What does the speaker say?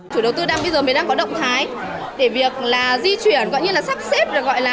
chủ đầu tư bây giờ mới đang có động thái để việc di chuyển gọi như là sắp xếp